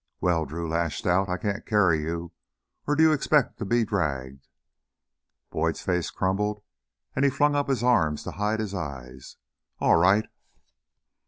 "Well," Drew lashed out, "I can't carry you! Or do you expect to be dragged?" Boyd's face crumpled and he flung up his arms to hide his eyes. "All right."